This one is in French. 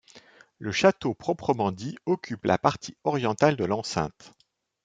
Le château proprement dit occupe la partie orientale de l'enceinte.